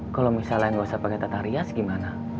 kalo misalnya gak usah pake tata rias gimana